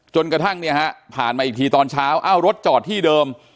จนกระทั่งเนี่ยฮะผ่านมาอีกทีตอนเช้าเอ้ารถจอดที่เดิม